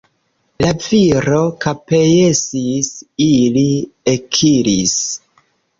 La viro kapjesis, ili ekiris.